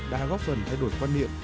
đã góp phần thay đổi quan niệm